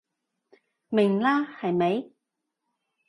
明啦係咪？